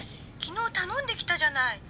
☎昨日頼んできたじゃない。